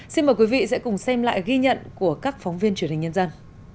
xin mời quý vị sẽ cùng xem lại ghi nhận của các phóng viên truyền hình nhân dân